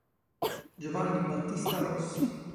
Giovanni Battista Rossi